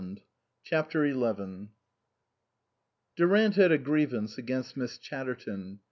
103 CHAPTER XI DURANT had a grievance against Miss Chattertoii.